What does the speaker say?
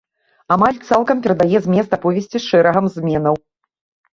Амаль цалкам перадае змест аповесці, з шэрагам зменаў.